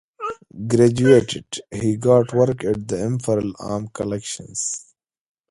Graduated, he got work at the imperial arms collection.